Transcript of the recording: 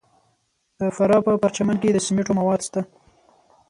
د فراه په پرچمن کې د سمنټو مواد شته.